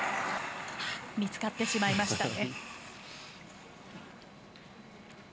見つかってしまいましたね。